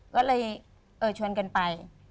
ก็เลยชวนกันไป